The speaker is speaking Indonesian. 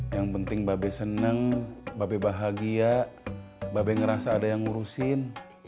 yang penting mba be seneng mba be bahagia mba be ngerasa ada yang ngurusin